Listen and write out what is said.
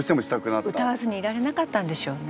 うたわずにいられなかったんでしょうね。